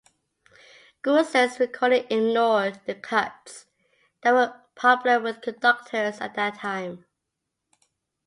Goossens' recording ignored the cuts that were popular with conductors at that time.